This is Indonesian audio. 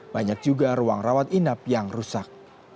banyak juga ruang rawat inap yang rusak